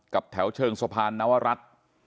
แถวเชิงสะพานนวรัฐ